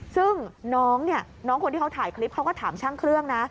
ซึ่งน้องเนี่ยน้องคนที่เขาถ่ายคลิปเขาก็ถามช่างเครื่องนะ